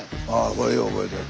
これよう思えてる。